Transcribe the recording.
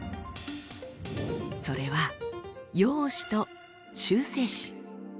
それは陽子と中性子。